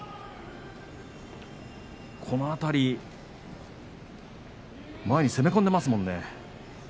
この辺り前に攻め込んでいますもんね。